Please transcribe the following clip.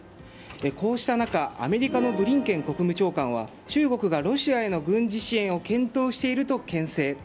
こうした中、アメリカのブリンケン国務長官は中国がロシアへの軍事支援を検討していると牽制。